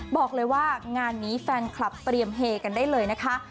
บอกเลยว่างานนี้แฟนคลับเตรียมเฮกันได้เลยนะคะ